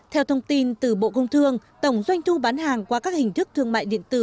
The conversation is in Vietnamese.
theo thông tin từ bộ công thương tổng doanh thu bán hàng qua các hình thức thương mại điện tử